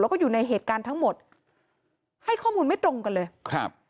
แล้วก็อยู่ในเหตุการณ์ทั้งหมดให้ข้อมูลไม่ตรงกันเลยครับ